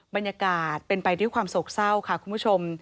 บรรยากาศเป็นไปด้วยความโศกเศร้าค่ะคุณผู้ชม